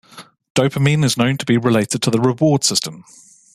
Dopamine is known to be related to the reward system.